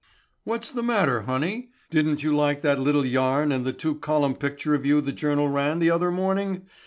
"What's the matter, honey? Didn't you like that little yarn and the two column picture of you the Journal ran the other morning?